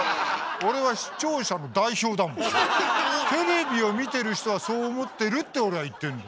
俺はテレビを見てる人はそう思ってるって俺は言ってるんだよ。